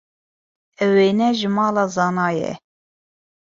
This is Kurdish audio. Ev wêne ji mala Zana ye.